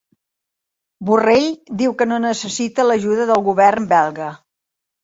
Borrell diu que no necessita l'ajuda del govern belga